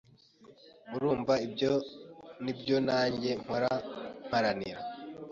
Urumva ibyo ni byo nanjye mpora mparanira.